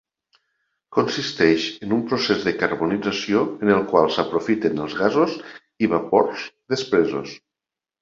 Consisteix en un procés de carbonització en el qual s'aprofiten els gasos i vapors despresos.